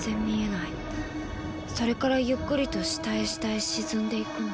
それからゆっくりと下へ下へ沈んでいくの。